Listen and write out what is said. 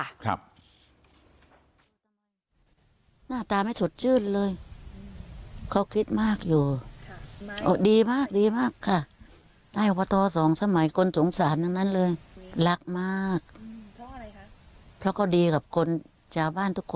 ดีแล้วว่าถ้าเป็นเขาก็จัดการแทนนานไม่โพยมาถึงสี่ห้าปีหรอก